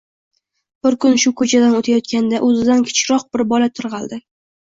Bir kun shu ko'chadan o'tayotganda o'zidan kichikroq bir bola tirg'aldi.